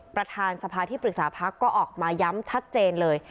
ประธานสภาที่ปรึกษาพักก็ออกมาย้ำชัดเจนเลย